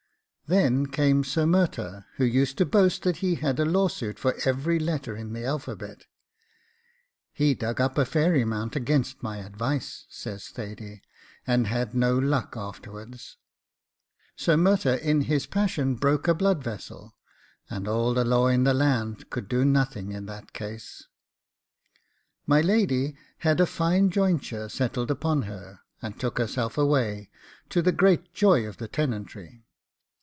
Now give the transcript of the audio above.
Then came Sir Murtagh, who used to boast that he had a law suit for every letter in the alphabet. 'He dug up a fairy mount against my advice,' says Thady, 'and had no luck afterwards. ... Sir Murtagh in his passion broke a blood vessel, and all the law in the land could do nothing in that case. ... My lady had a fine jointure settled upon her, and took herself away, to the great joy of the tenantry.